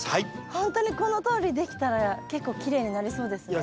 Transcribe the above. ほんとにこのとおりできたら結構きれいになりそうですね。